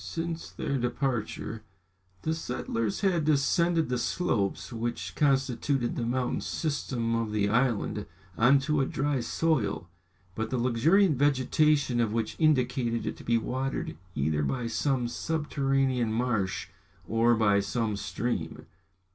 Since their departure, the settlers had descended the slopes which constituted the mountain system of the island, on to a dry soil, but the luxuriant vegetation of which indicated it to be watered either by some subterranean marsh or by some stream.